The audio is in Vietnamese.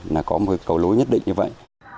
là có một cầu lối nhất định như vậy